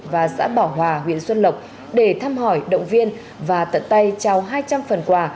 và xã bảo hòa huyện xuân lộc để thăm hỏi động viên và tận tay trao hai trăm linh phần quà